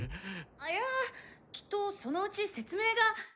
いやきっとそのうち説明が。